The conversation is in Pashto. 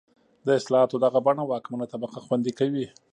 د اصلاحاتو دغه بڼه واکمنه طبقه خوندي کوي.